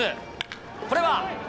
これは。